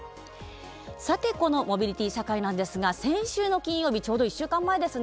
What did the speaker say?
さてこのモビリティ社会なんですが先週の金曜日ちょうど１週間前ですね。